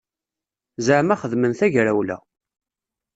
Zaɛma xedmen tagrawla.